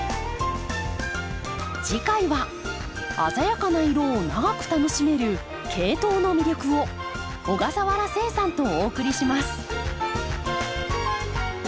次回は鮮やかな色を長く楽しめるケイトウの魅力を小笠原誓さんとお送りします。